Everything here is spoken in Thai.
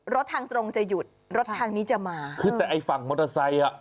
ทางตรงจะหยุดรถทางนี้จะมาคือแต่ไอ้ฝั่งมอเตอร์ไซค์อ่ะ